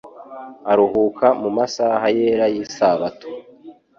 aruhuka mu masaha yera y'isabato.